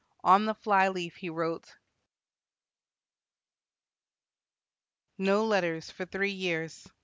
On the fly leaf he wrote: "No letters for three years.